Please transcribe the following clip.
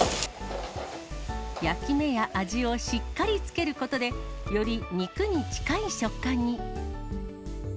焼き目や味をしっかりつけることで、より肉に近い食感に。